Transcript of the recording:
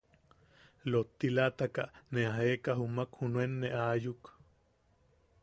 Lottilataka ne a jeʼeka jumak junuen ne aayuk.